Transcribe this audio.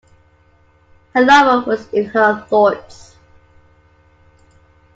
Her lover was in her thoughts.